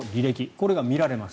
これが見られます。